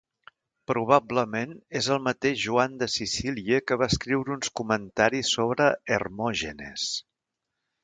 Probablement és el mateix Joan de Sicília que va escriure uns comentaris sobre Hermògenes.